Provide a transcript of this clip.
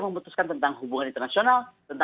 memutuskan tentang hubungan internasional